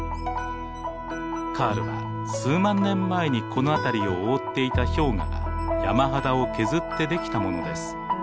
カールは数万年前にこの辺りを覆っていた氷河が山肌を削ってできたものです。